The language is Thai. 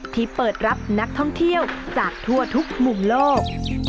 ที่เปิดรับนักท่องเที่ยวจากทั่วทุกมุมโลก